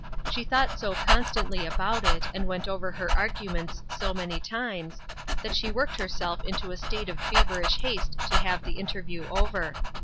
She thought so constantly about it, and went over her arguments so many times, that she worked herself into a state of feverish haste to have the interview over.